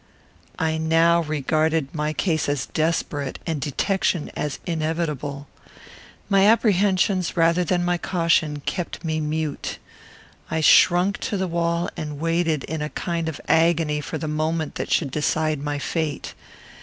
I now regarded my case as desperate, and detection as inevitable. My apprehensions, rather than my caution, kept me mute. I shrunk to the wall, and waited in a kind of agony for the moment that should decide my fate.